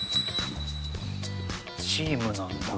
チームなんだ。